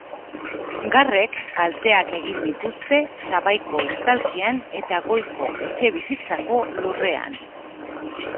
Garrek kalteak egin dituzte sabaiko estalkian eta goiko etxebizitzako lurrean.